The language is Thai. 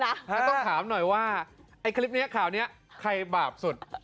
แล้วต้องถามหน่อยว่าไอ้คลิปนี้ข่าวนี้ใครบาปสุด